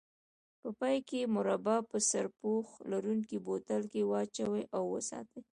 په پای کې مربا په سرپوښ لرونکي بوتل کې واچوئ او وساتئ.